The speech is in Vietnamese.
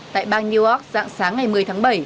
tại bang new york dạng sáng ngày một mươi tháng bảy